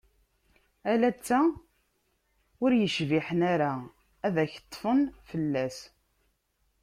Ala d ta ur yecbiḥen ara, ad ak-ṭfen fell-as.